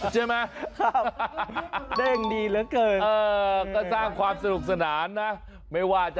เจอไหมครับ